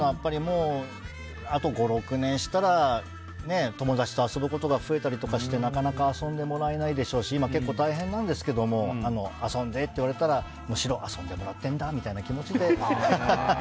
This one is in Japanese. というのは、あと５６年したら友達と遊ぶことが増えたりとかしてなかなか遊んでもらえないでしょうし今、結構大変なんですけど遊んでって言われたらむしろ遊んでもらってるんだみたいな気持ちで。